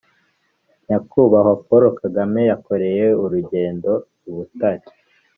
Nyakubahwa poul kagame yakoreye urugendo i butare